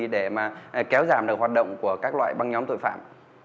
để kéo giảm được hoạt động của các loại băng nhóm tội phạm